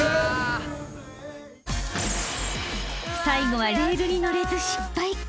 ［最後はレールに乗れず失敗。